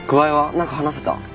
何か話せた？